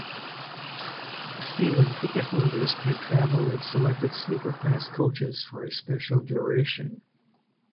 Season ticket holders can travel in selected sleeper class coaches for a specified duration.